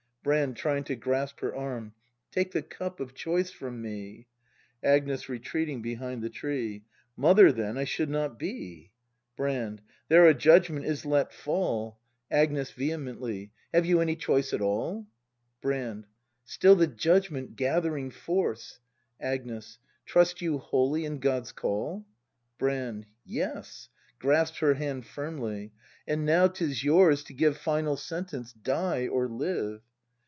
Brand. [Trying to grasp her arm.] Take the Cup of Choice from me! Agnes. [Retreating behind the tree.] Mother then I should not be! Brand. There a Judgment is let fall! ACT III] BRAND 151 Agnes. [Vehemently.] Have you any choice at all ! Brand, Still the Judgment, gathering force! Agnes. Trust you wholly in God's Call .'' Brand. Yes! [Grasps her hand firmly .] And now 'tis yours to give Final sentence: Die or live!